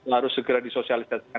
harus segera disosialisasikan